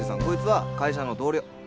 こいつは会社の同僚。